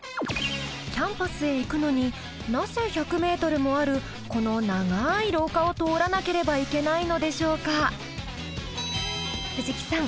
キャンパスへ行くのになぜ１００ｍもあるこの長い廊下を通らなければいけないのでしょうか？